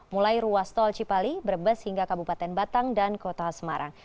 mulai ruas tol cipali brebes hingga kabupaten batang dan kota semarang